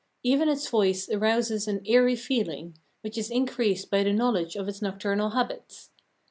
Even its voice arouses an eerie feeling, which is increased by the knowledge of its nocturnal habits.